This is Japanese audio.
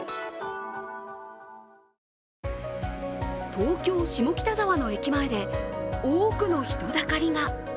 東京・下北沢の駅前で多くの人だかりが。